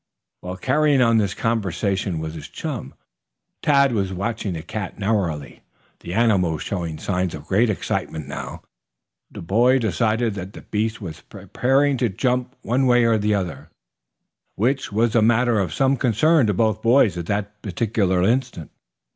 While carrying on this conversation with his chum, Tad was watching the cat narrowly. The animal was showing signs of greater excitement now. The boy decided that the beast was preparing to jump one way or another which way was a matter of some concern to both boys at that particular instant.